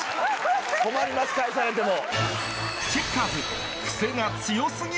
困ります返されても。